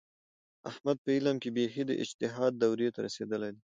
احمد په علم کې بیخي د اجتهاد دورې ته رسېدلی دی.